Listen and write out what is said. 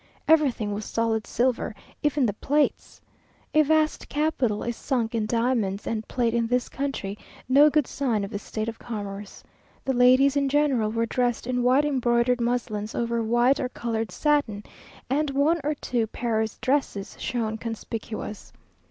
Everything was solid silver; even the plates. A vast capital is sunk in diamonds and plate in this country, no good sign of the state of commerce. The ladies in general were dressed in white embroidered muslins, over white or coloured satin, and one or two Paris dresses shone conspicuous.